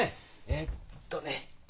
えっとね